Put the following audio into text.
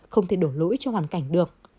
không thể đổ lỗi cho hoàn cảnh được